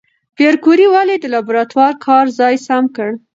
پېیر کوري ولې د لابراتوار کار ځای سم کړ؟